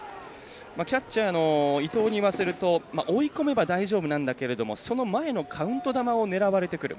キャッチャーの伊藤にいわせると追い込めば大丈夫なんだけどその前のカウント球を狙われてくる。